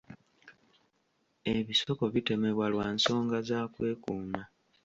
Ebisiko bitemebwa lwa nsonga za kwekuuma.